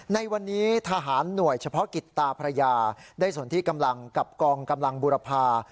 ในวันนี้ทหารหน่วยเฉพาะกิจตาพระยาได้ส่วนที่กำลังกับกองกำลังบุรพา